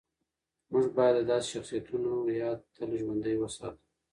موږ باید د داسې شخصیتونو یاد تل ژوندی وساتو.